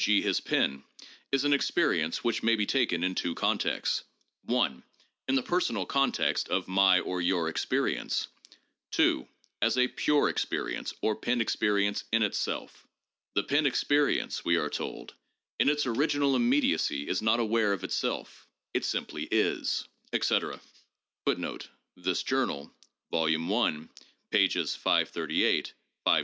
g., his pen, is an experience which may be taken in two contexts: (1) in the per sonal context of my or your experience; (2) as a pure experience or pen experience in itself. 'The pen experience,' we are told, 'in its original immediacy is not aware of itself: it simply is,' 1 etc. Now •This Journal, Vol. I., pp. 538, 566, etc.; Vol.